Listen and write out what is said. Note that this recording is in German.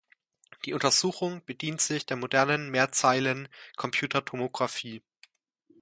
Die Untersuchung bedient sich der modernen Mehrzeilen-Computertomographie.